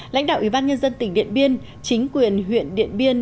lãnh đạo ủy ban nhân dân tỉnh điện biên chính quyền huyện điện biên